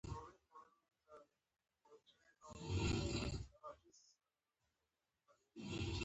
د دې لوست کومه برخه مو خوښه شوه خبرې پرې وکړئ.